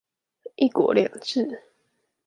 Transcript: ㄧ 國兩制